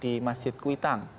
di masjid kuitang